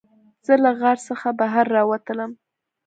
زه له غار څخه بهر راووتلم.